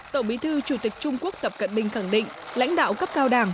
tổng bí thư chủ tịch trung quốc tập cận bình khẳng định lãnh đạo cấp cao đảng